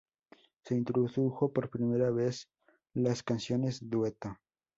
Se introdujo por primera vez las canciones "Dueto".